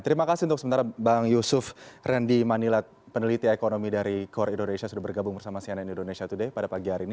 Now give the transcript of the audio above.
terima kasih untuk sementara bang yusuf rendy manila peneliti ekonomi dari kor indonesia sudah bergabung bersama cnn indonesia today pada pagi hari ini